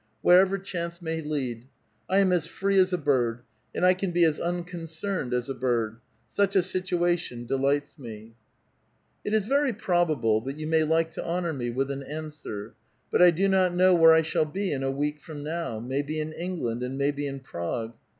wherever chance may lead. I am as free as a bird, and I can be as unconcerned as a bird ; such a situation delights me. It is very probable that you may like to honor me with an answer, but I do not know where I shall be in a week from now : maybe in England, and maybe in Prague.